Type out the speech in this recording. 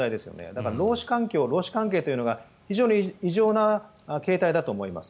だから労使環境、労使関係が異常な形態だと思います。